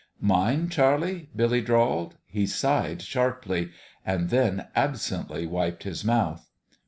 "Mine, Charlie?" Billy drawled. He sighed sharply and then absently wiped his mouth.